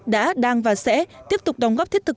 đã đang và sẽ tiếp tục đóng góp thiết thực